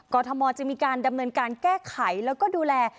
ทมจะมีการดำเนินการแก้ไขแล้วก็ดูแล